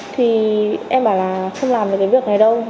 thì em bảo là không làm được cái việc này đâu